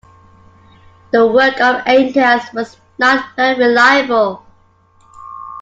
The work of Antias was not very reliable.